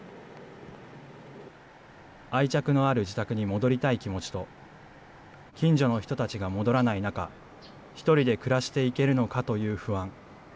愛着のある自宅に戻りたい気持ちと、近所の人たちが戻らない中、１人で暮らしていけるのかという不安。